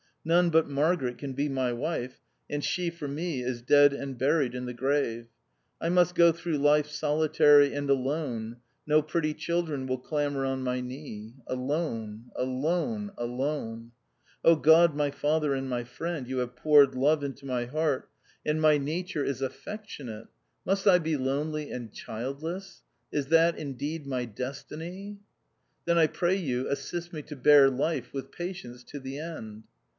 None but Margaret can be my wife, and she for me is dead and buried in the grave. I must go through life solitary and alone ; no pretty children will clamber on my knee. Alone — alone — alone. God, my Father, and my Friend, you have poured love into my heart, and my nature 160 THE OUTCAST. is affectionate. Must I be lonely and child less ? Is that, indeed, my destiny ? Then, I pray you, assist me to bear life with patience to the end."